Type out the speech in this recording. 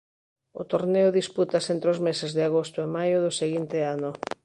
O torneo dispútase entre os meses de agosto e maio do seguinte ano.